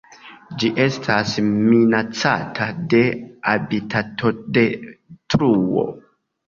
Ĝi estas minacata de habitatodetruo.